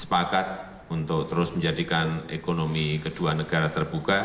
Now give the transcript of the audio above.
sepakat untuk terus menjadikan ekonomi kedua negara terbuka